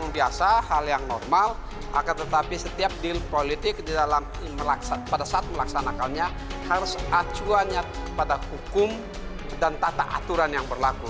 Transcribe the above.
dalam deal politik pada saat melaksanakannya harus acuannya kepada hukum dan tata aturan yang berlaku